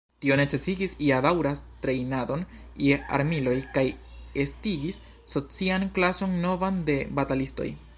Tio necesigis ja daŭran trejnadon je armiloj kaj estigis socian klason novan de batalistoj.